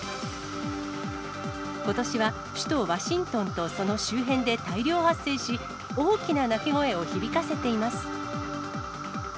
ことしは首都ワシントンとその周辺で大量発生し、大きな鳴き声を響かせています。